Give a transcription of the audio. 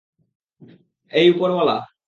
এই উপর ওয়ালা!